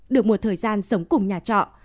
được một thời gian sống cùng nhà trọ